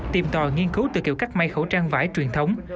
tìm tòa nghiên cứu từ kiểu cắt mây khẩu trang vải truyền thống